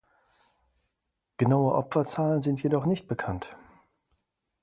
Genaue Opferzahlen sind jedoch nicht bekannt.